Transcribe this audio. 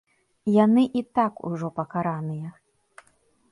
Яны і так ужо пакараныя.